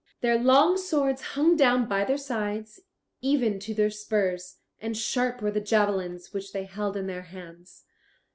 Their long swords hung down by their sides, even to their spurs, and sharp were the javelins which they held in their hands.